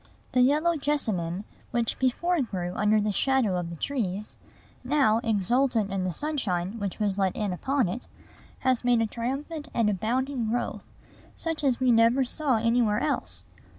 The yellow jessamine, which before grew under the shadow of the trees, now, exultant in the sunshine which was let in upon it, has made a triumphant and abounding growth, such as we never saw anywhere else.